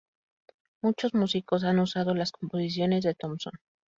Muchos músicos han usado las composiciones de Thompson.